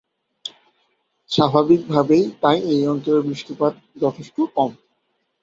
স্বাভাবিকভাবেই তাই এই অঞ্চলে বৃষ্টিপাত যথেষ্ট কম।